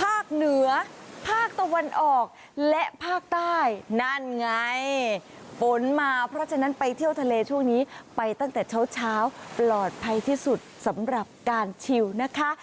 ภาคเหนือภาคตะวันออกและภาคใต้นั่นไงฝนมาเพราะฉะนั้นไปเที่ยวทะเลช่วงนี้ไปตั้งแต่เช้าปลอดภัยที่สุดสำหรับการชิวนะคะ